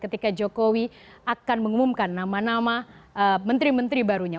ketika jokowi akan mengumumkan nama nama menteri menteri barunya